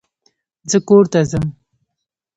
زه کورته ځم.